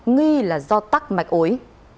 nghi là do tắc mạch ối